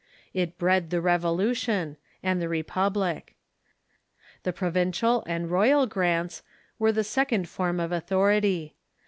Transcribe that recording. It bred the Revolution, and the Republic. The Provincial and Royal Grants Avere the sec ond form of authority.